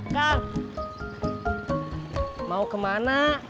kang mau ke mana